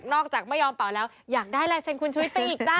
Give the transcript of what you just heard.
จากไม่ยอมเป่าแล้วอยากได้ลายเซ็นคุณชุวิตไปอีกจ้ะ